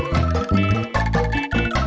hati hati di jalan